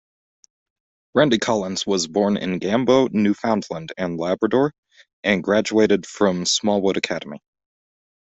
Randy Collins was born in Gambo, Newfoundland and Labrador and graduated from Smallwood Academy.